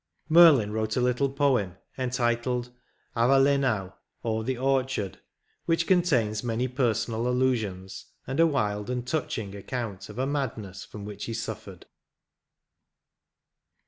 Merlin wrote a little poem, entitled "Avallenau; or, the Orchard," which contains many personal allusions, and a wild and touching account of a madness from which he suffered.